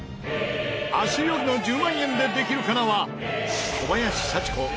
明日よるの『１０万円でできるかな』は小林幸子なにわ